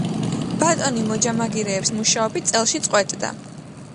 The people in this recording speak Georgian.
ბატონი მოჯამაგირეებს მუშაობით წელში წყვეტდა.